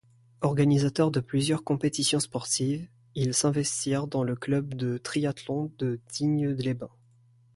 Organisateur de plusieurs compétitions sportives, il s'investir dans le club de triathlon de Digne-les-Bains.